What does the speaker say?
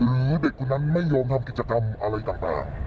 หรือเด็กคนนั้นไม่ยอมทำกิจกรรมอะไรต่าง